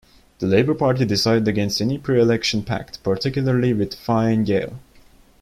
The Labour Party decided against any pre-election pact, particularly with Fine Gael.